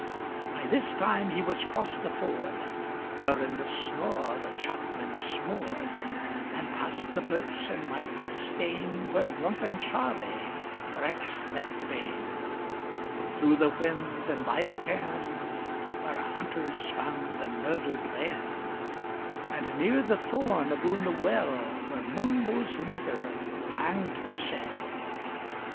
By this time he was 'cross the ford, Whaur in the snaw the chapman smoored; And past the birks and meikle stane, Whaur drunken Charlie brak's neck bane; And through the whins, and by the cairn, Whaur hunters fand the murdered bairn; And near the thorn, aboon the well, Whaur Mungo's mither hanged hersel'.